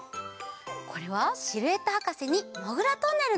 これはシルエットはかせに「もぐらトンネル」のえ。